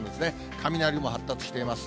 雷雲発達しています。